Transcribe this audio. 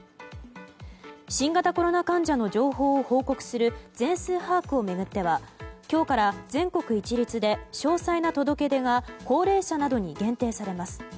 新型コロナ患者の情報を報告する全数把握を巡っては今日から全国一律で詳細な届け出は高齢者などに限定されます。